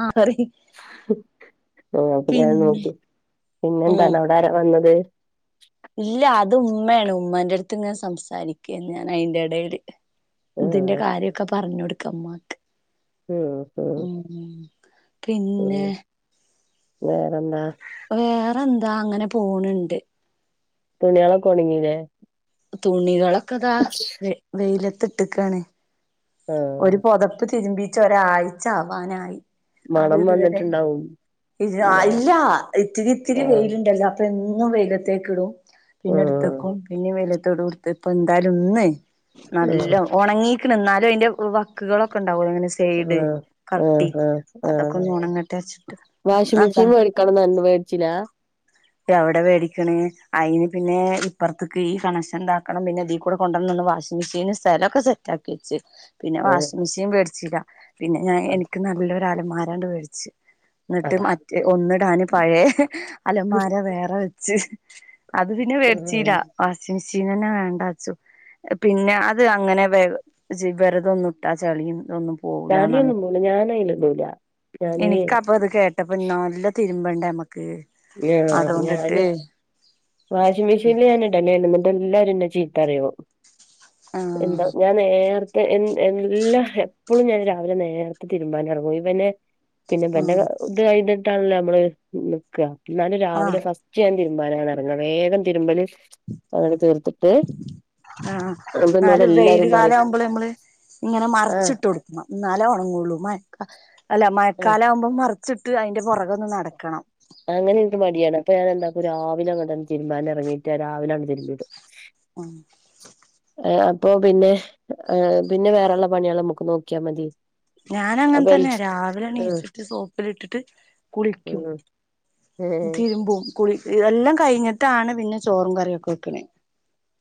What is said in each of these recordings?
ആഹ് പറയ് അപ്പോ ഞാൻ പിന്നെ നോക്കി പിന്നെ ഉം തന്നോട് ആരാ വന്നത് ഇല്ല അത് ഉമ്മയാണ് ഉമ്മന്റെ അടുത്ത് ഇങ്ങനെ സംസാരിക്കുക ആയിരുന്നു ഞാൻ അയിന്റെ ഇടയില്. ഇതിന്റെ ആഹ് കാര്യമൊക്കെ പറഞ്ഞ് കൊടുക്ക ഉമ്മ ഉം ഉം പിന്നെ ഉം വേറെന്താ വേറെ ന്താ അങ്ങനെ പോണുണ്ട്. തുണിയെളോക്ക ഒൺങ്ങില്ലേ തുണികളൊക്കെതാ വ വെയിലത്ത്ട്ട് ക്ക്ണ്. ആഹ് ഒരു പുതപ്പ് തിരുമ്പിച്ച് ഒരാഴ്ച ആവാനായി മണം വന്ന്ട്ടുണ്ടാവും ഇല്ല ഇല്ല ഇത്തിരി ഇത്തിരി ആഹ് വെയില്ണ്ടല്ലോ അപ്പന്നും വെയിലെത്തേക്കിടും പിന്നെ ആഹ് ട്ത്തക്കും പിന്നിം വെയിലെത്തിടും ത്പ്പൊ ന്തായാലും ന്ന് ആഹ് നല്ല ഉണങ്ങി ക്കണ് എന്നാലും അയ്ന്റെ വക്കുകളൊക്കെ ണ്ടാവുള്ളൂ ങ്ങന സൈഡ് ആഹ് കട്ടി ആഹ് ആഹ് ആഹ് അതൊക്കെ ഒണങ്ങട്ടെ ച്ചിട്ട് വാഷിംഗ് മെഷീൻ വേടിക്കണന്ന് വേടിച്ചില എവടെ മേടിക്കണ് അയ്ന് പിന്നെ ഇപ്പറത്ത്ക്ക് ഈ കണക്ഷൻ ന്താ ഞാ പിന്നെതീ കൂടെ കൊണ്ടന്നന്ന വാഷിംഗ് മെഷീൻന് സ്ഥലൊക്കെ സെറ്റക്കി വെച്ച് പിന്നെ ഏഹ് വാഷിംഗ് മെഷീൻ മേടിച്ചില്ല പിന്നെ ഞാൻ അത് എനിക്ക് നല്ലൊരു അലമാരണ്ട് മേടിച്ച് ന്നട്ട് അതാ മറ്റേ ഒന്നിടാന് പഴേ അലമാര വേറെ വെച്ച് അത് പിന്നെ ഉം മേടിച്ചീല്ല വാഷിംഗ് മെഷീൻ തന്നെ വേണ്ടച്ചു പിന്നെ അത് അങ്ങനെ വ ചി വെറുതൊന്നും ഇട്ടാ ചളി തൊന്നും ചാലി അതിനൊന്നും പോവു ല ഞാനേ എനിക്കപ്പൊ അത് കേട്ടപ്പോ ന്നല്ല തിരുമ്പണ്ടേ അമ്മക്ക് ഏർ ഞാന് വാഷിംഗ് മെഷീനിൽ ഞാൻ ഇടല്ലേന്നി ന്നെട്ടേല്ലാരും ന്നെ ചീത്തറിയോ ആഹ് എന്താ ഞാൻ നേർത്തെ എ‌ എല്ലാ എപ്പോഴും ഞാൻ രാവിലെ നേര്ത്തെ തി ര്മ്പാനെറങ്ങും ഇവനെ പിന്നെ ഇബന്റെ ഉം ഇത് കഴിഞ്ഞിട്ടാണല്ലോ നമ്മള് നിക്കുക എന്നാലും ആഹ് രാവിലെ ഫ ഉച്ചയാവും തിരുമ്പാന് അങ്ങോട്ട്‌ ഇറങ്ങുക വേഗം തിരുമ്പല് അങ്ങനെ തീർത്തിട്ട് ആഹ് അപ്പൊ എന്നോട് എന്നാലും വെയില് എല്ലാരും പറയും കാലാവുമ്പോള് നമ്മള് ഇങ്ങനെ ആഹ് മറച്ചിട്ട് കൊടു ക്കണം എന്നാലേ ഒണങ്ങൂള്ളൂ മയക്ക അല്ല ആഹ് മഴക്കാലാവുമ്പോ മറി ച്ചിട്ട് അയ്ന്റെ പുറകെ തന്നേ നടക്കണം അങ്ങനെ എനിക്ക് മടിയാണ് അപ്പൊ ഞാൻ എന്താക്കും രാവിലെ അങ്ങട്ട് തിരുമ്പാൻ ഇറങ്ങീട്ട് രാവിലെ അങ്ങട്ട് തിരുമ്പിയിടും ഉം ഏ അപ്പൊ പിന്നെ ഏ പിന്നെ വേറൊള്ള പണികള് നമ്മക്ക് നോക്കിയാ മതി ഞാനങ്ങനെ അപ്പൊ തന്നെയാ രാവിലെ ആഹ് എണീച്ചിട്ട് സോപ്പിലിട്ടിട്ട് കുളിക്കും. ആഹ് തിരുമ്പും കുളി ഇതെല്ലാം കഴിഞ്ഞിട്ടാണ് പിന്നെ ചോറും കറിയൊക്കെ വെക്കണെ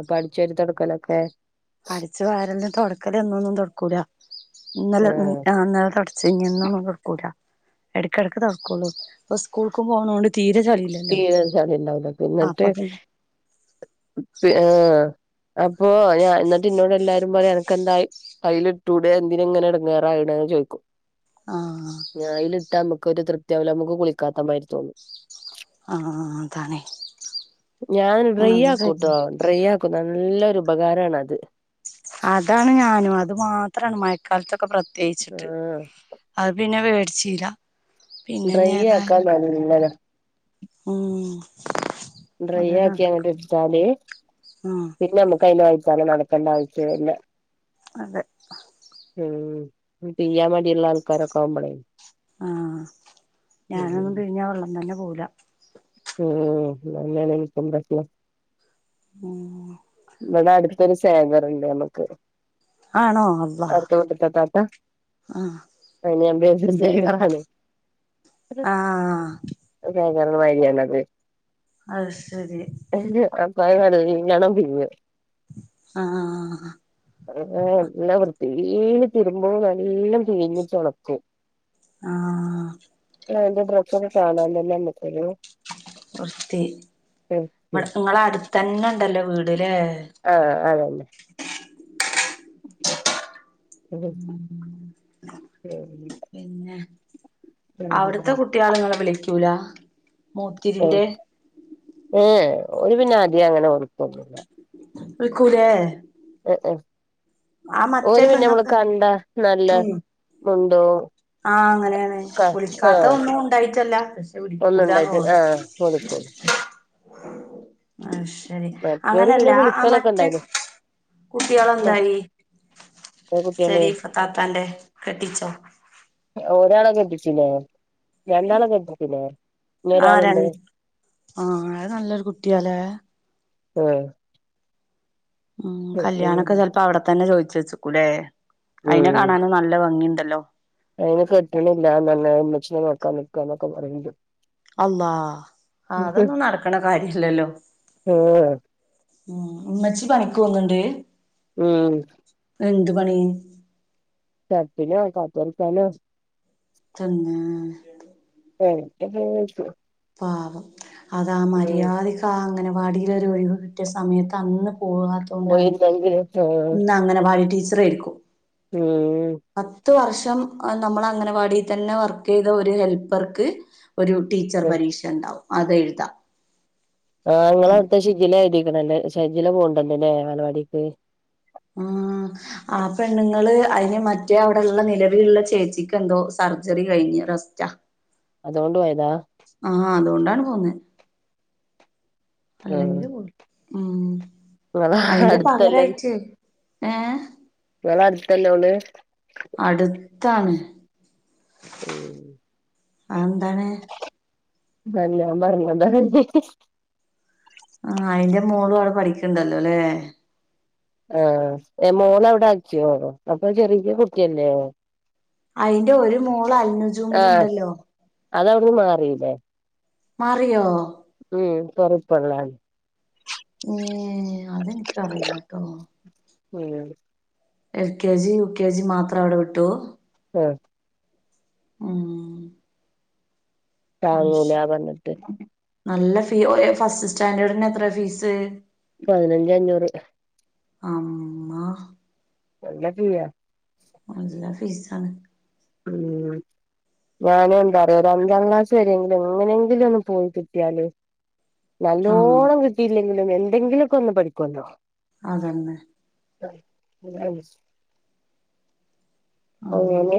അപ്പോ അടിച്ച് വാരി തുടക്കലൊക്കെ അടിച്ച് വാരലും തൊടക്കല് എന്നും ഒന്നും തൊടക്കൂലാ ഇന്നലെ മി ആഹ് ആ ഇന്നലെ തൊട ച്ച് എന്നൊന്നും തൊടക്കൂല എടക്കെടക്ക് തൊടക്കൂള്ളൂ ഇപ്പ സ്കൂൾക്ക് പോണോണ്ട് തീരെ ചളിയില്ല തീരെ ചളിയുണ്ടാവൂല്ല അപ്പോ എന്നിട്ട് ആഹ് അപ്പൊ ഞാ എന്നിട്ട് എന്നോട് എല്ലാരും പറയാ അനക്കെന്തായി അയയിൽ ഇട്ട് കൂടെ എന്തിനാ ഇങ്ങനെ ഇടങ്ങേറാവണെ എന്ന് ചോയ്ക്കും. ആഹ് ഞാൻ അയയിലിട്ടാ നമ്മക്കൊരു തൃപ്തി ആവൂല്ല നമ്മക്ക് കുളിക്കാത്ത മാതിരി തോന്നും ആഹ് അതാണേ ഞാൻ ഡ്രൈ അത് ശരി ആക്കൂട്ടോ ഡ്രൈ ആക്കും നല്ലൊരു ഉപകാരാണത്. അതാണ് ഞാനും അത് മാത്രവാണ് മഴക്കാലത്തൊക്കെ ആ പ്രത്യേകിച്ചിട്ട് അത് പിന്നെ മേടിച്ചില്ല ഡ്രൈ ആക്കാൻ അത് നല്ലതാ ഉം ഡ്രൈ അത് ആക്കി അങ്ങട്ട് നടക്കും എടുത്താല് ഉം പിന്നെ നമ്മക്ക് അയിന്റെ [unintelligible] നട ക്കണ്ട ആവശ്യമില്ല അതെ ഉം വീട്ടിലിരിക്കാൻ മടിയുള്ള ആൾക്കാരൊക്കെ ആവുമ്പളെ ആഹ് ഞാനൊന്നും പിഴിഞ്ഞാ വെള്ളം തന്നെ പോവൂല്ല ഉം ഇതുതന്നെയാണ് എനിക്കും പറ്റിയത് ഉം ഇവടെ അടുത്തൊരു സേവറുണ്ട് നമ്മുക്ക് ആണോ അള്ളാ അടുത്ത വീട്ടിത്തെ താത്ത ആഹ് അയിന് ഞാൻ വിചാരിച്ചു സേവറാന്ന് ആഹ് [unintelligible] അത് ശരി [unintelligible] നല്ലോണം തിന്നും ആഹ് ആഹ് എല്ലാ വൃത്തിയില് തീരുമ്പോൾ നല്ലൊം തീഞ്ഞിച്ച് ഉണക്കും ആഹ് ആഹ് എന്റെ ഡ്രസ്സൊക്കെ കാണാനില്ല [unintelligible] വൃത്തി ഇവിടെ നിങ്ങളെ അടുത്തന്നെ ഉണ്ടല്ലോ വീട് ഇല്ലേ ആഹ് അത് തന്നെ ഉം ഉം പിന്നെ അവിടത്തെ കുട്ടികള് നിങ്ങളെ വിളിക്കൂല മൂത്തിരിന്റെ ഏഹ് ഓര് പിന്നെ അധികം അങ്ങനെ വിളിക്കുവൊന്നുവില്ല വിളിക്കൂലെ മറ്റേ ഓര് പിന്നെ നമ്മളെ പെണ്ണൊക്കെ കണ്ടാ നല്ല ഉം മിണ്ടൂം ആഹ് അങ്ങനെയാണ് വിളിക്കാത്ത ഒന്നും ഉണ്ടായിട്ടല്ല പക്ഷെ വിളിക്കൂലാന്ന്‌ കോഴിക്കോട് ആഹ് ശരി മറ്റോര് അങ്ങനെയല്ല പിന്നെ ആ വിളിക്കലൊക്കെ മറ്റേ ഇണ്ടായിനു കുട്ടികളെന്തായി ഏത് കുട്ട്യേള് ശരീഫ താത്താന്റെ കെട്ടിച്ചോ ഒരാളെ കെട്ടിച്ചിലെ രണ്ടാളെ കെട്ടിച്ചിലെ ആഹ് രണ്ട് ആഹ് അത് നല്ലൊരു കുട്ടിയാലേ ആഹ് ഉം കല്യാണൊക്കെ ചെലപ്പോ അവിടെ തന്നെ ചോയിച്ച് വെച്ചേക്കൂല്ലേ അയിനെ കാണാനും നല്ല ഭംഗിയുണ്ടല്ലോ അതിന് കെട്ടണില്ലന്നെ ഉമ്മച്ചിനെ നോക്കാൻ നിക്കുക എന്നൊക്കെ പറയണ്ട് അള്ളാഹ് അതൊന്നും നടക്കണ കാര്യല്ലല്ലോ ആഹ് ഉം ഉമ്മച്ചി പണിക്ക് പോന്നിണ്ട് ഉം എന്ത് പണി ഷട്ടിലും സാറ്റ് കളികലും തന്നെ [unintelligible] പാവം അതാ മര്യാദിക് ക്കാ അംഗനെവാടിലൊരു ഒഴിവ് കിട്ടിയ സമയത്ത് അന്ന് പോവാത്തൊണ്ടാണ്. പോയിരുന്നെങ്കില് ആഹ് ഇന്നാ അംഗനവാടി ടീച്ചറായിരിക്കും ഉം പത്ത് വർഷം നമ്മള് അംഗനവാടിയിൽ തന്നെ വർക്ക് ചെയ്ത ഒരു ഹെൽപ്പർക്ക് ഒരു ടീച്ചർ പരീക്ഷ ഉണ്ടാവും അതെഴുതാം ആഹ് നിങ്ങളടുത ഷിജില എഴ്തിക്കണല്ലേ ഷിജില പോണ്ടലല്ലെ അംഗനവാടിക്ക് ആഹ് ആ പെണ്ണുങ്ങള് അതിന് മറ്റേ അവിടൊള്ള നിലവിലുള്ള ചേച്ചിക്ക് എന്തോ സർജറി കഴിഞ്ഞ് റെസ്റ്റാ അതോണ്ട് പോയതാ ആഹ് അതുകൊണ്ടാണ് പോന്നെ ആഹ് അല്ലെങ്കിൽ പോവും ഉം ഇങ്ങളെ അയിന്റെ അടുത്തല്ലേ പകരായിട്ടേ ഏഹ് ഇങ്ങളെ അടുത്തല്ലോള് അടുത്താണ് ഉം അതെന്താണ് നല്ലോം പറഞ്ഞതാണ് ആഹ് അയിന്റെ മോളും അവിടെ പഠിക്കണ്ടല്ലോല്ലേ ആഹ് മോളവിടെ ആക്കിയോ അപ്പോ ചെറിയ കുട്ടിയല്ലേ അതിന്റെ ഒരു മോള് അയിനുസ് ആഹ് അതവിടുന്ന് മാറില്ലേ മാറിയോ ഉം തൊറുപ്പെള്ളാൻ ഏഹ് അതെനിക്കറിയില്ലാട്ടോ വീണത് L K G U K G മാത്ര അവിടെ വിട്ടു ആഹ് ഉം അത് താങ്ങൂല ശരി പറഞ്ഞിട്ട് നല്ല ഫീ ഓ ഫസ്റ്റ് സ്റ്റാൻഡേഡിന് എത്രയാ ഫീസ് പതിനഞ്ചേ അഞ്ഞൂറ് അമ്മ നല്ല ഫീയാ നല്ല ഫീസാണ്. ഉം ഞാന് എന്താ അറിയ്യോ ഒരു അഞ്ചാം ക്ലാസ് വരയെങ്കിലും എങ്ങനെങ്കിലും ഒന്ന് പോയി കിട്ടിയാല്. ആണോ നല്ലോണം കിട്ടിയില്ലെങ്കിലും എന്തെങ്കിലുക്കെ ഒന്ന് പഠിക്കുല്ലോ. അതന്നെ. ആയ്ശ് അതന്നെ അങ്ങനെ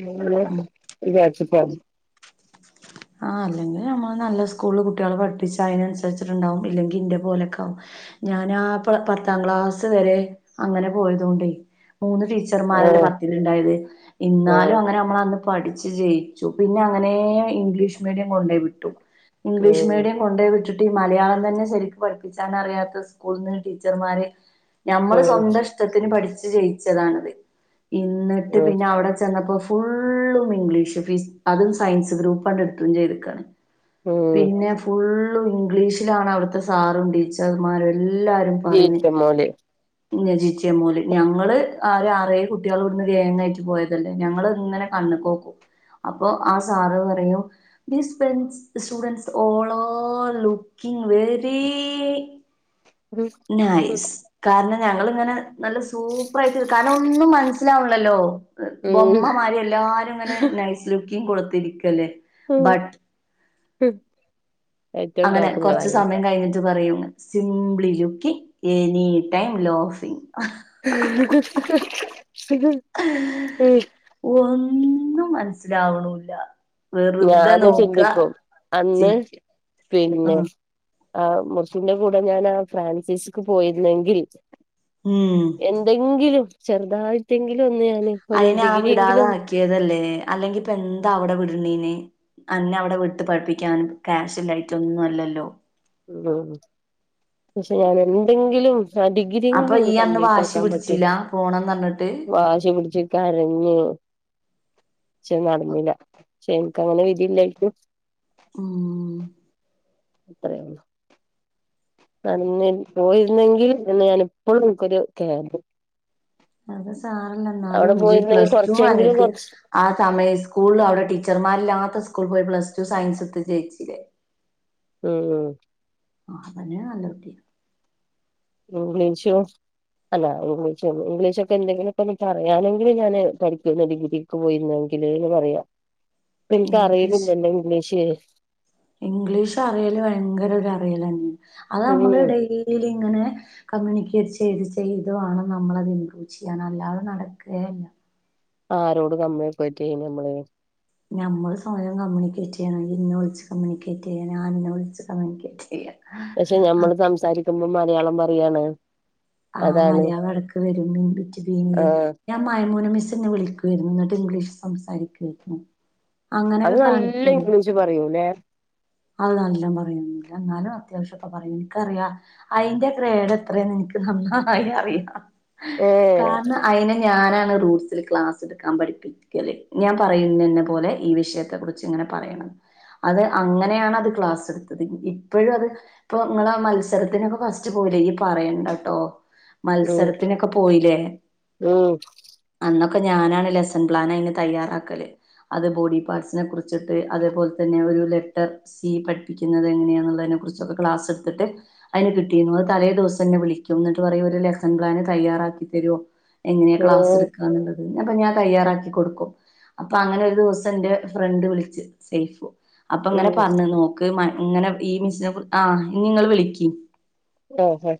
ഇങ്ങനെ ഉം വിചാരിച്ചിട്ടാണ്. ആഹ് അല്ലെങ്കിൽ നമ്മൾ നല്ല സ്കൂൾള് കുട്ട്യാളെ പഠിപ്പിച്ചാ അയ്നൻസരിച്ചിട്ടുണ്ടാവും ഇല്ലെങ്കി ഇന്റെ പോലൊയൊക്കാവും. ഞാനാ പ പത്താം ക്ലാസ് വരെ അങ്ങനെ പോയതൊണ്ടേയ് മൂന്ന് ടീച്ച ടീച്ചർ മാരല്ലേ ആഹ് പത്തില്ണ്ടായത് ഇന്നാലും ആഹ് അങ്ങനെ നമ്മള് അന്ന് പഠിച്ചു ജയിച്ചു പിന്നെ അങ്ങനെ ഇംഗ്ലീഷ് മീഡിയം കൊണ്ടോയി വിട്ടു. ഇംഗ്ലീഷ് ഉം മീഡിയം കൊണ്ടോയ് വിട്ട് മലയാളം തന്നെ ശരിക്കും പഠിപ്പിച്ചാന്നറിയാത്ത സ്കൂൾന്ന് ടീച്ചർമാര് ഞമ്മള് ഉം സ്വന്തം ഇഷ്ടത്തിന് പഠിച് ജയിച്ചതാണത് ഇന്ന്ട്ട് ഉം പിന്നെ അവടെ ചെന്നപ്പോ ഫുള്ളും ഇംഗ്ലീഷ് ഫി അതും സയൻസ് ഗ്രൂപ്പ് അട് എട്ത്തും ചെയ്ത്ക്കാണ്. ഉം പിന്നെ ഫുള്ളും ഇംഗ്ലീഷിലാണ് അവിട്ത്തെ സാറും ടീച്ചർമാരു ല്ലാരും പറയുന്നെ ജീവിച്ച മോല് ഞ്ഞിജിച്ചിയം പോല് ഞങ്ങള് അ ഒര് ആറേഴ് കുട്ട്യാള് ഇവ്ടുന്ന് ഗേങ്ങായിട്ട് പോയതല്ലേ ഞങ്ങള് ങ്ങനെ കണ്ണ്ക്കോക്കും അപ്പൊ ആഹ് സാറ് പറയും this bench students all are looking very nice, കാരണം ഞങ്ങളിങ്ങനെ നല്ല സൂപ്പറായിട്ട് കാരണം ഒന്നും മന സിലാവ്നില്ലല്ലോ ഉം ബൊമ്മമാരി എല്ലാരും ഇങ്ങനെ നൈസ് ലുക്കിങ് കൊടുത്തിരിക്കല്ലേ. ഉം ബട്ട് ഉം ഏറ്റവും അങ്ങനെ ടോപ്പ് കൊർച്ച് ഇങ്ങളായില്ലേ സമയം കയിഞ്ഞിട്ട് ത് പറയും സിംബിളി ലുൻക്കിംങ് എനി ടൈം ലോഫിങ്. ഹ് ഹ് ഹ് ഒന്നും മനസ്സിലാവ്ണൂല്ല. ഞാന് ചിന്തിക്കും അന്ന് ചിരിക്ക ആ പിന്നെ ആഹ് മുർസിന്റെ കൂടെ ഞാനാ ഫ്രാൻസിസ്ക്ക് പോയിരുന്നെങ്കിൽ ഉം എന്തെങ്കിലും ചെറുതായിട്ടെങ്കിലും ഒന്ന് ഞാന് ഒരു ഡിഗിരി എങ്കിലൊന്ന് ട്ടിയതല്ലേ അല്ലെങ്കിപ്പെന്താ അവ്ടെ വിട്ണീന്. അന്നെ അവ്ടെ വിട്ട് പഠിപ്പിക്കാനും ക്യാഷ് ഇല്ലയ്ട്ടൊന്നും അല്ലല്ലോ. ഉം പഷെ ഞാന്നെന്തെങ്കിലും ആഹ് ഡിഗ് അപ്പൊ ഇതെങ്കിലുംന്ന് ഈ അന്ന് കംപ്ലീറ്റ് വാശി ആക്കാൻ പറ്റോ, പിടിച്ചില്ല പോണംന്ന് പറഞ്ഞിട്ട് വാശി പിട്ച്ച് കരഞ് ഷെ ന്നടന്നില ഷെ ഇൻക്കങ്ങനെ വിധില്ലായിര്ക്കും. ഉം ത്രയെ ള്ളൂ. [unintelligible] പോയിര്ന്നെങ്കി എന്ന് ഞാനിപ്പഴും ഇൻക്കൊരു കേത അത് സാരല്ല അവിടെ ന്നാലും ഇജ്ജ് പോയിരുന്നെങ്കിൽ പ്ലസ് ടു കൊറച്ചെങ്കിലും അനക് കൊറച്ച് ആഹ് തമയ ഇസ്കൂൾള് അവ്ടെ ടീച്ചർമാരില്ലാത്ത സ്കൂൾ പോയി പ്ലസ്ടു സയൻസ്ട്ത് ജെയിച്ചിലെ. ഉം ഉം ആ അതന്നെ നല്ലെട്ടീ. ഇഗ്ലിഷും അല്ല ഇംഗ്ലിഷ് ഇംഗ്ലിഷൊക്കെ എന്തെങ്കിലുംക്കൊന്ന് പറയാനെങ്കിലും ഞാന് പഠിക്കാര്ന്നു ഡിഗ്രി. ക്ക് പോയിര്ന്നെങ്കില്ന്ന് പറയാ പ്പിൻക്ക് അറീണില്ലല്ലോ ഇംഗ്ലീഷ് ഇംഗ്ലീഷറിയല് ഭയങ്കര ഒരു അറിയലന്നേ അത് അമ്മള് ഉം ഡെയിലിങ്ങനെ കമ്മ്യൂണിക്കേറ്റ് ചെയ്ത് ചെയ്ത് വാണം നമ്മളത് ഇപ്രൂവ് ചെയ്യൻ അല്ലാതെ ന്നടക്കയെല്ല. ആരോട് കമ്യൂണിക്കൊയിറ്റ് ഇയ്യിന് ഞമ്മള്. ഞമ്മള് സ്വയം കമ്മ്യൂണിക്കേറ്റെയ്യണം ഇയ്യ് ഇന്നെ വിൾച്ച് കമ്മ്യൂണിക്കേറ്റയ്യാ ഞാൻ നിന്നെ വിൾച്ച് കമ്മ്യൂണിക്കേറ്റ്യ്യ. പഷെ ഞമ്മള് സംസാരിക്കുമ്പോ മലയാളം പറയാണ്. ആഹ് അതാണ് മലയാളെടക്ക് വെരും മീൻ ബിറ്റ് ബീൻല് ആഹ് ഞാ മയമൂന മിസ്സിന്നെ വിളിക്കേര്ന്നു ന്ന്ട്ട് ഇംഗ്ലീഷ് സംസാരിക്ക്ര്ന്നു. അങ്ങനെയൊക്കെ കാണിക്കു അത്? ജ്ജ് പറയൂല്ലെ? അത് ന്നല്ലോം പറയുന്നു എന്നാലും അത്യാവശ്യംയൊക്കെ പറയും ഇൻക്കറിയാ അയിന്റെ ഗ്രേഡെത്രന്ന് ഇൻക്ക് ന്നന്നായി അറിയാം ഏഹ് കാരണം അയിനെ ഞാനാണ് റൂട്ട്സിൽ ക്ലാസ്ട്ക്കാൻ പഠിപ്പിക്കല് ഞാൻ പറയുന്നന്നെ പോലെ ഈ വിഷയത്തെ കുറി ച്ച്ങ്ങ്നെ പറയണം അത് അങ്ങനെയാണത് ക്ലാസ്സ്ട്ത്തത് ഇപ്പെഴുഅത് ഇപ്പൊ ഇങ്ങളെ ആഹ് മത്സരത്തിനൊക്കെ ഫസ്റ്റ് പോലെ ഈ പറയണ്ടട്ടോ. ഉം മത്സരത്തിനൊക്കെ പോയിലെ ഉം അന്നൊക്കെ ഞാനാണ് ലെസൺ പ്ലാൻ അയിന് തയ്യാറാക്കല്. അത് ബോഡി പാർട്സിനെ കുർച്ചിട്ട് അതേപോലെ തന്നെ ഒരു ലെറ്റർ സി പഠിപ്പിക്കുന്നത് എങ്ങനെയാന്നുള്ളതിനെ കുറിച്ചൊക്കെ ക്ലാസ്ട്ത്തിട്ട് അയിന് കിട്ടിന്നു അത് തലേ ദിവസം തന്നെ വിളിക്കും ന്ന്ട്ട് പറയും ഒര് ലസെൺപ്ലാന് തയ്യറാക്കി തരോ? എങ്ങനെയാ ഏഹ് ക്ലാസ്ട്ക്കന്ന്ള്ളത് അപ്പൊ ഞാൻ തയ്യാറാക്കി കൊട്ക്കും. അപ്പൊ അങ്ങനെ ഒരു ദിവസം ന്റെ ഫ്രണ്ട് വിളിച്ച് സൈഫു. അപ്പ ഇങ്ങനെ ഉം പർണ് ന്നോക്ക് മൻ ഇങ്ങനെ ഈ മിസ്സിനെ കുർ ആഹ് ഇനി ഇങ്ങള് വിളിക്കി. ഓഹോ